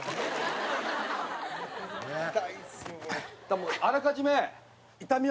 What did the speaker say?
もうあらかじめ。